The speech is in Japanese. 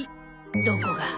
どこが。